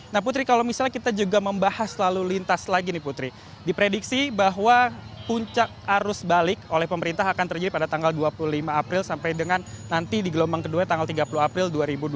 nah putri kalau misalnya kita juga membahas lalu lintas lagi nih putri diprediksi bahwa puncak arus balik oleh pemerintah akan terjadi pada tanggal dua puluh lima april sampai dengan nanti di gelombang kedua tanggal tiga puluh april dua ribu dua puluh